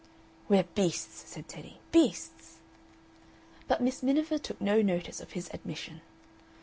"We're beasts," said Teddy. "Beasts!" But Miss Miniver took no notice of his admission.